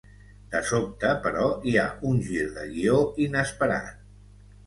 De sobte, però, hi ha un gir de guió inesperat.